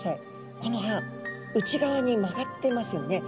この歯内側に曲がってますよね。